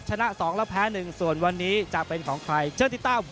ชนะ๒แล้วแพ้๑